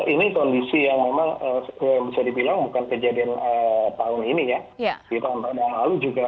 ini kondisi yang memang bisa dibilang bukan kejadian tahun ini ya